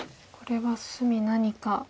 これは隅何か？